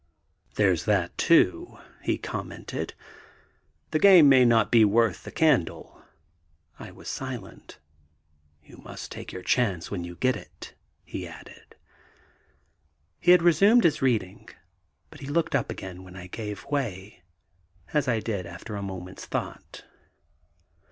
"There's that, too," he commented, "the game may not be worth the candle." I was silent. "You must take your chance when you get it," he added. He had resumed his reading, but he looked up again when I gave way, as I did after a moment's thought.